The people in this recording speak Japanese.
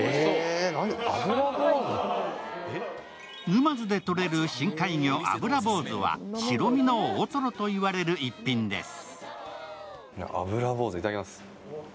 沼津でとれる深海魚、あぶらぼうずは白身の大トロと言われる逸品です。